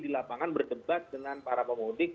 di lapangan berdebat dengan para pemudik